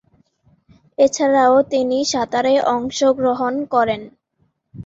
এছাড়াও তিনি সাঁতারে অংশগ্রহণ করেন।